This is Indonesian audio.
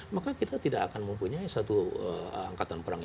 maka kita tidak akan mempunyai satu angkatan perang